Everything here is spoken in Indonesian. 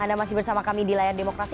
anda masih bersama kami di layar demokrasi